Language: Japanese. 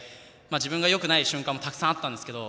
自分がよくない瞬間もたくさんあったんですけど